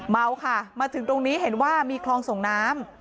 เมาค่ะมาถึงตรงนี้เห็นว่ามีคลองส่งน้ำ